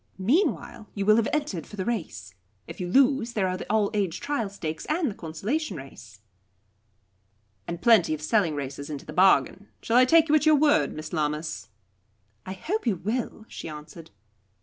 Meanwhile, you will have entered for the race. If you lose, there are the 'All aged Trial Stakes,' and the 'Consolation Race.'" "And plenty of selling races into the bargain. Shall I take you at your word, Miss Lammas?" "I hope you will," she answered.